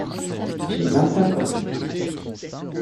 J’ai vingt-cinq ans.